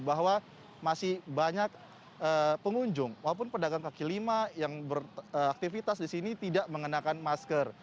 bahwa masih banyak pengunjung walaupun pedagang kaki lima yang beraktivitas di sini tidak mengenakan masker